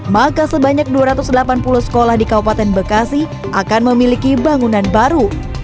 maka sebanyak dua ratus delapan puluh sekolah di kabupaten bekasi akan memiliki bangunan baru